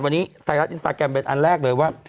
วันนี้ไทยรัฐอินสตาแกรมเป็นอันแรกเลยว่า